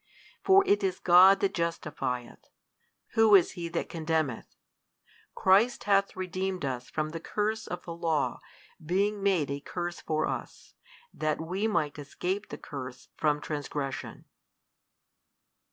For it is God that justifieth, who is he that condemneth? Christ hath redeemed us from the curse of the law, being made a curse for us, that we might escape the curse from transgression.